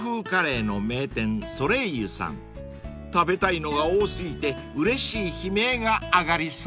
［食べたいのが多過ぎてうれしい悲鳴があがりそうです］